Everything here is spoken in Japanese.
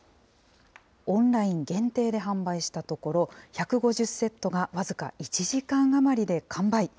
オンライン限定で販売したところ、１５０セットが僅か１時間余りで完売。